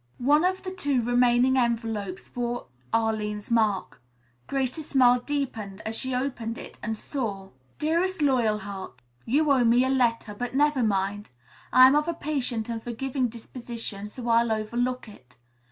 One of the two remaining envelopes bore Arline's mark. Grace's smile deepened as she opened it and saw: "DEAREST LOYALHEART: "You owe me a letter, but never mind. I am of a patient and forgiving disposition, so I'll overlook it.